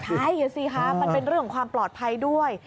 ใช่สิคะมันเป็นเรื่องของความปลอดภัยด้วย